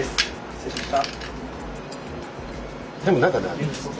失礼しました。